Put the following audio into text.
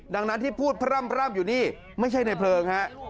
ดังนั้นที่พูดพร่ำอยู่นี่ไม่ใช่ในเพลิงฮะ